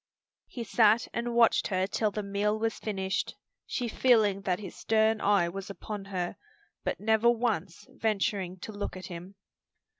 He sat and watched her till the meal was finished, she feeling that his stern eye was upon her, but never once venturing to look at him.